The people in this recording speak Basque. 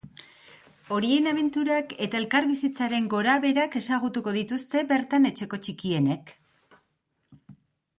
Horien abenturak eta elkarbizitzaren gorabeherak ezagutuko dituzte bertan etxeko txikienek.